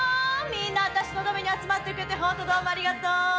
みんな、私のために集まってくれて、本当、どうもありがとう。